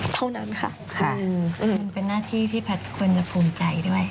เท่านั้นค่ะเป็นหน้าที่ที่แพทย์ควรจะภูมิใจด้วย